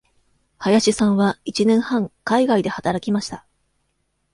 林さんは一年半海外で働きました。